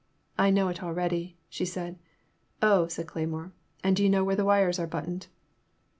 I know it already," she said. Oh," said Cleymore, and do you know where the wires are buttoned